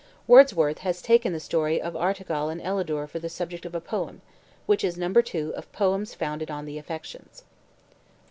Wordsworth has taken the story of Artegal and Elidure for the subject of a poem, which is No. 2 of "Poems founded on the Affections."